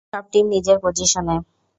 সব টিম নিজের পজিশনে!